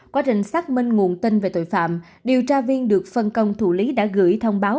quá trình xác minh nguồn tin về tội phạm điều tra viên được phân công thủ lý đã gửi thông báo